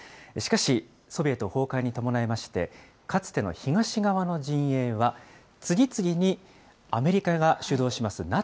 しかし、ソビエト崩壊に伴いまして、かつての東側の陣営は、次々にアメリカが主導します